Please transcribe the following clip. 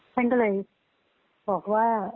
ฉันก็เลยบอกว่า